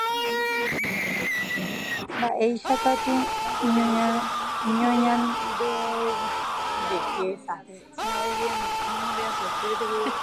Vaicháku noñanduivavoi isy térã itúva ñenupã.